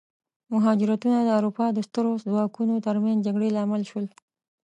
مهاجرتونه د اروپا د سترو ځواکونو ترمنځ جګړې لامل شول.